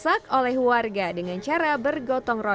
soalnya ini sekitar sepuluh kilo